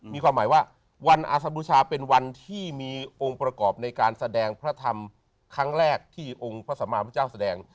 มีความหมายว่าวันอสบูชาเป็นวันที่มีองค์ประกอบในการแสดงพระธรรมครั้งแรกที่องค์พระสัมมาพระเจ้าแสดง